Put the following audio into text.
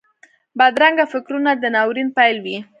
بدرنګه فکرونه د ناورین پیل وي